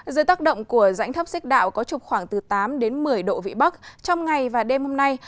dưới tác động của rãnh thấp xích đạo có trục khoảng từ tám đến một mươi độ vị bắc trong ngày và đêm hôm nay